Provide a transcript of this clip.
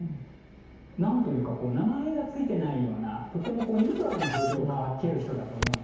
何というか名前が付いてないようなとってもニュートラルな表情を描ける人だと思うんですね。